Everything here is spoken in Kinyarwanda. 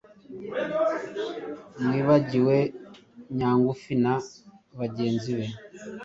mwibagiwe nyangufi na bagenzi be,